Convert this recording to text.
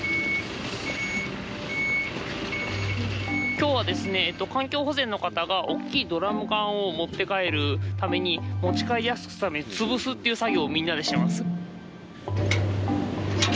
今日はですね環境保全の方がおっきいドラム缶を持って帰るために持ち帰りやすくするためにつぶすっていう作業をみんなでします。